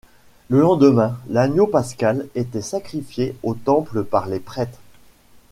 Le lendemain, l'Agneau pascal était sacrifié au Temple par les prêtres.